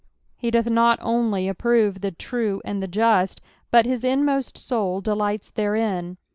He doth not only approve the true and the just, but Ills inmost soul delights therein.